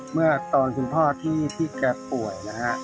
เมื่อตอนคุณพ่อที่แกป่วยนะฮะ